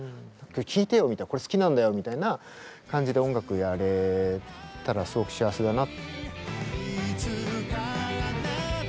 聴いてよ、これ好きなんだよみたいな感じで音楽やれたらすごく幸せだな。